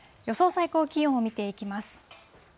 最高気温を見ていきます。